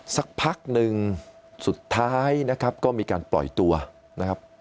สักพักหนึ่งสุดท้ายนะครับก็มีการปล่อยตัวนะครับ